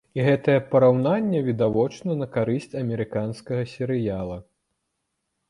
І гэтае параўнанне відавочна на карысць амерыканскага серыяла.